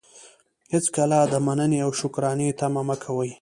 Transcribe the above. هېڅکله د منني او شکرانې طمعه مه کوئ!